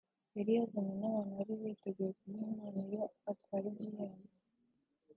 yari yazanye n'abantu bari biteguye kumuha impano iyo atwara igikombe